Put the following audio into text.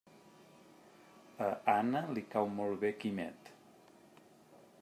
A Anna li cau molt bé Quimet.